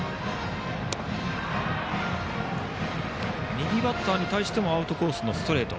右バッターに対してもアウトコースのストレート。